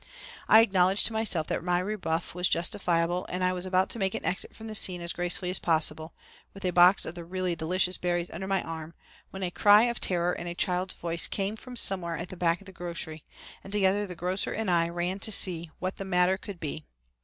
I acknowledged to myself that my rebuff was justifiable and I was about to make an exit from the scene as gracefully as possible with a box of the really delicious berries under my arm when a cry of terror in a child's voice came from somewhere at the back of the grocery and together the grocer and I ran to see what the matter could be.